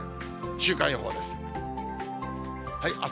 週間予報です。